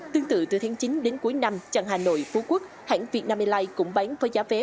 tương tự từ tháng chín đến cuối năm chặng hà nội phú quốc hãng vietnam airlines cũng bán với giá vé